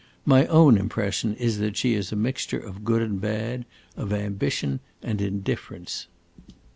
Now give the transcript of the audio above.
My own impression is that she is a mixture of good and bad, of ambition and indifference.